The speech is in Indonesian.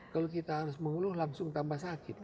kalau kita harus mengeluh langsung tambah sakit